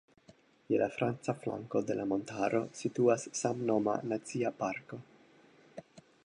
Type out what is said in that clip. Je la franca flanko de la montaro situas samnoma Nacia Parko.